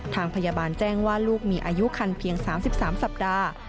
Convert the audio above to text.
ทางพยาบาลแจ้งว่าลูกมีอายุคันเพียง๓๓สัปดาห์